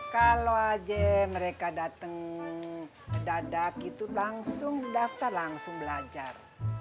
kalo aja mereka dateng dadak itu langsung daftar langsung belajar